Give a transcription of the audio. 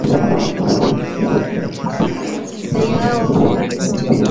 raia hao wako tayari kujitawala